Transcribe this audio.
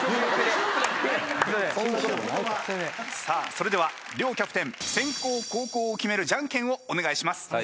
さあそれでは両キャプテン先攻後攻を決めるじゃんけんをお願いします。